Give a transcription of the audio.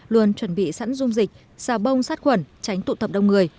luôn chuẩn bị sẵn dung dịch xà bông sát khuẩn tránh tụ tập đông người